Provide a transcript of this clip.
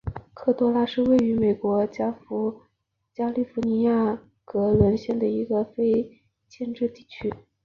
科多拉是位于美国加利福尼亚州格伦县的一个非建制地区。